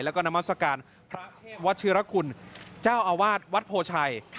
แล้วก็นามสการพระเทพวัดชื่อรักคุณเจ้าอาวาสวัดโพชัย